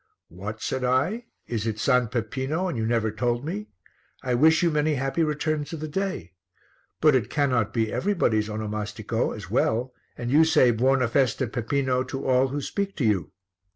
"What?" said I, "is it S. Peppino and you never told me? I wish you many happy returns of the day. But it cannot be everybody's onomastico as well, and you say 'Buona festa, Peppino' to all who speak to you."